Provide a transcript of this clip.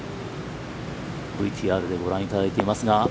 ＶＴＲでご覧いただいていますが。